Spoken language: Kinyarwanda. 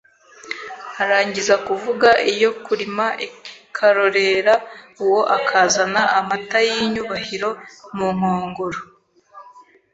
arangiza kuvuga Iyo kurima ikarorera Uwo akazana amata y’inyubahiro Mu nkongoro